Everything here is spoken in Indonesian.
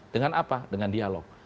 dengan apa dengan dialog